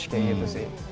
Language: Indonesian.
kayak gitu sih